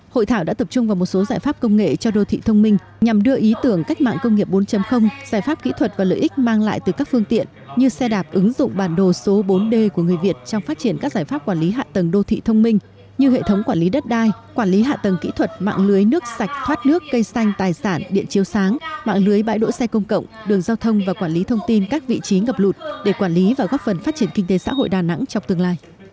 hội thảo đã tập trung vào một số giải pháp công nghệ cho đô thị thông minh nhằm đưa ý tưởng cách mạng công nghiệp bốn giải pháp kỹ thuật và lợi ích mang lại từ các phương tiện như xe đạp ứng dụng bản đồ số bốn d của người việt trong phát triển các giải pháp quản lý hạ tầng đô thị thông minh như hệ thống quản lý đất đai quản lý hạ tầng kỹ thuật mạng lưới nước sạch thoát nước cây xanh tài sản điện chiếu sáng mạng lưới bãi đỗ xe công cộng đường giao thông và quản lý thông tin các vị trí ngập lụt để quản l